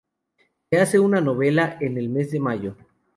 Se hace una novena en el mes de mayo.